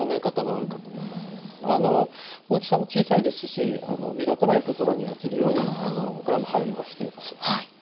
大きさも小さいですし目立たないところにあけるように僕らも配慮はしています。